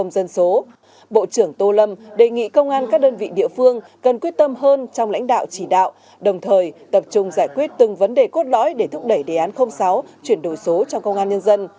đồng chí công an các đơn vị địa phương cần quyết tâm hơn trong lãnh đạo chỉ đạo đồng thời tập trung giải quyết từng vấn đề cốt lõi để thúc đẩy đề án sáu chuyển đổi số trong công an nhân dân